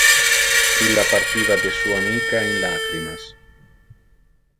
Illa partiva de su amica in lacrimas.